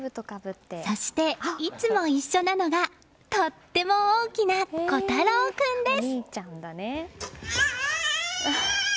そして、いつも一緒なのがとっても大きな虎太郎君です！